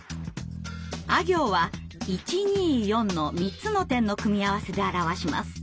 「あ行」は１２４の３つの点の組み合わせで表します。